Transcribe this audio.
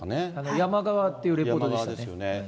山側っていうリポートでしたね。